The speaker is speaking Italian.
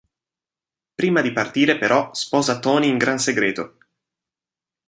Prima di partire però sposa Tony in gran segreto.